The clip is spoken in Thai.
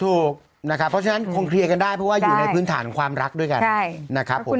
ถูกนะครับเพราะฉะนั้นคงเคลียร์กันได้เพราะว่าอยู่ในพื้นฐานความรักด้วยกันนะครับผม